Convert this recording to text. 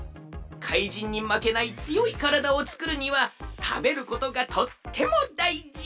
かいじんにまけないつよいからだをつくるにはたべることがとってもだいじ。